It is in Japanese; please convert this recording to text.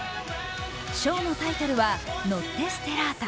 ショーのタイトルは「ノッテ・ステラータ」。